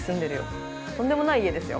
とんでもない家ですよ